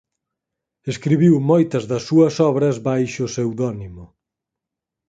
Escribiu moitas das súas obras baixo pseudónimo.